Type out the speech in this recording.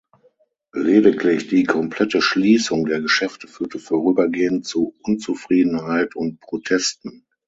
Lediglich die komplette Schließung der Geschäfte führte vorübergehend zu Unzufriedenheit und Protesten.